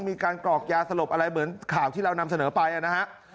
กรอกยาสลบอะไรเหมือนข่าวที่เรานำเสนอไปนะฮะ